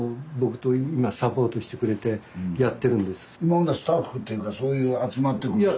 あこれね今スタッフというかそういう集まってくるんですか？